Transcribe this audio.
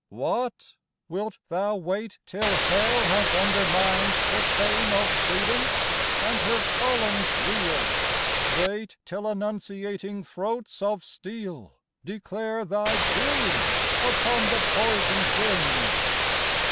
What ! wilt thou wait till Hell has undermined The fane of Freedom, and her columns reel? Wait till annunciating throats of steel Declare thy doom upon the poisoned wind?